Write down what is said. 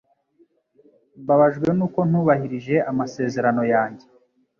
Mbabajwe nuko ntubahirije amasezerano yanjye.